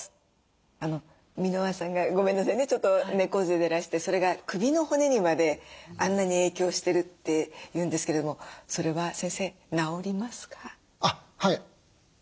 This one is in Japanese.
箕輪さんがごめんなさいねちょっと猫背でらしてそれが首の骨にまであんなに影響してるっていうんですけれどもそれは先生なおりますか？